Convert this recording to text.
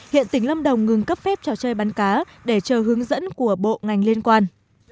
hiện tỉnh lâm đồng ngừng cấp phép trò chơi bắn cá để chờ hướng dẫn của bộ ngành liên quan